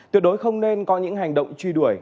tuyệt đối không nên có những hành động truy đuổi